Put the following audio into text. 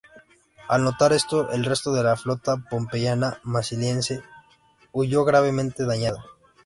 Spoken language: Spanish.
Al notar esto, el resto de la flota pompeyana-masiliense huyo gravemente dañada.